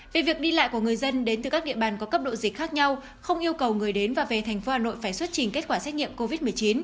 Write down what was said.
về việc đi lại của người dân đến từ các địa bàn có cấp độ dịch khác nhau không yêu cầu người đến và về thành phố hà nội phải xuất trình kết quả xét nghiệm covid một mươi chín